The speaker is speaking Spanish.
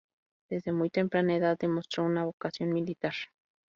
Desde muy temprana edad, demostró una vocación militar.